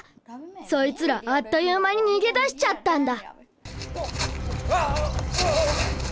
そいつらあっという間ににげだしちゃったんだ。